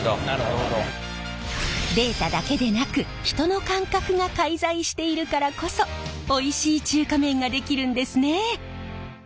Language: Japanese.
データだけでなく人の感覚が介在しているからこそおいしい中華麺が出来るんですね。